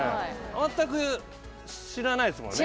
全く知らないですもんね？